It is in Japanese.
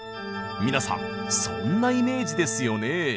皆さんそんなイメージですよね？